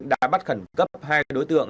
đã bắt khẩn cấp hai đối tượng